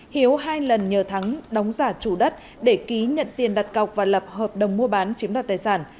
hiếu hai lần nhờ thắng đóng giả chủ đất để ký nhận tiền đặt cọc và lập hợp đồng mua bán chiếm đoạt tài sản